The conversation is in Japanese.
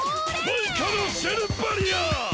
マイカのシェルバリア！